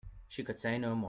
She could say no more.